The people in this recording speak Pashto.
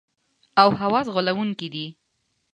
او حواس غولونکي دي.